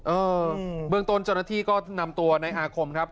เออเบื้องต้นเจ้าหน้าที่ก็นำตัวในอาคมครับ